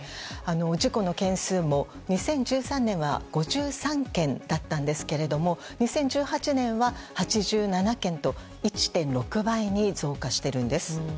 事故の件数も、２０１３年は５３件だったんですけれども２０１８年は８７件と１．６倍に増加してるんです。